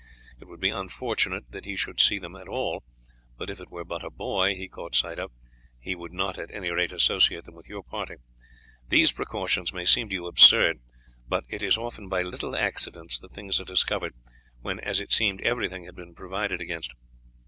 It would be unfortunate that he should see them at all, but if it were but a boy he caught sight of he would not at any rate associate them with your party. These precautions may seem to you absurd, but it is often by little accidents that things are discovered when as it seemed everything had been provided against."